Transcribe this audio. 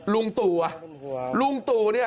ลุงตู่ว่ะลุงตู่นี่